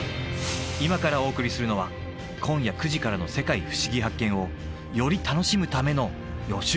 今からお送りするのは今夜９時からの「世界ふしぎ発見！」をより楽しむための予習